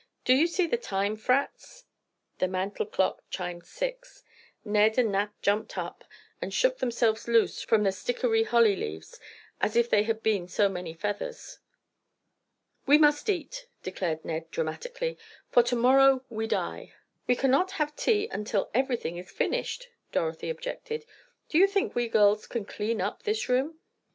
"Do you see the time, Frats?" The mantle clock chimed six. Ned and Nat jumped up, and shook themselves loose from the stickery holly leaves as if they had been so many feathers. "We must eat," declared Ned, dramatically, "for to morrow we die!" "We cannot have tea until everything is finished," Dorothy objected. "Do you think we girls can clean up this room?"